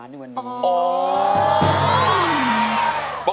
ครับมีแฟนเขาเรียกร้อง